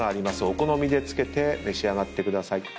お好みで付けて召し上がってください。